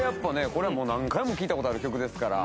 これはもう何回も聴いた事ある曲ですから。